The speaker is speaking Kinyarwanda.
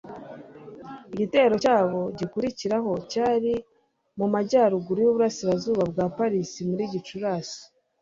Igitero cyabo gikurikiraho cyari mu majyaruguru y'uburasirazuba bwa Paris muri Gicurasi.